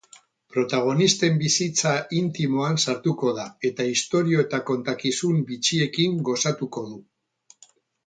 Protagonisten bizitza intimoan sartuko da, eta istorio eta kontakizun bitxiekin gozatuko du.